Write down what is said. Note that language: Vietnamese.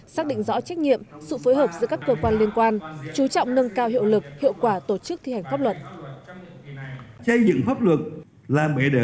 xác định rõ trách nhiệm sự phối hợp giữa các cơ quan liên quan chú trọng nâng cao hiệu lực hiệu quả tổ chức thi hành pháp luật